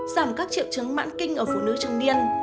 giảm các triệu chứng mãn kinh ở phụ nữ trung niên